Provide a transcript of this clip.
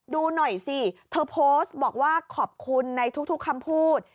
ดูหน่อยสิเธอโพสต์บอกว่าขอบคุณในทุกคำพูด